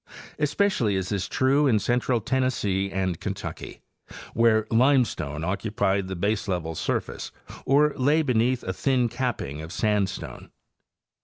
Especially is this true in central Tennessee and Kentucky, where limestone occupied the baseleveled surface or lay beneath a thin capping of sandstone.